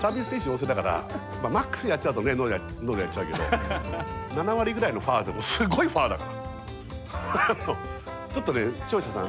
マックスでやっちゃうとのどやっちゃうけど７割ぐらいのファーでもすごいファーだからね。